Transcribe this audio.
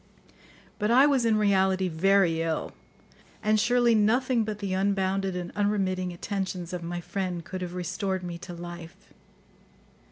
But I was in reality very ill, and surely nothing but the unbounded and unremitting attentions of my friend could have restored me to life.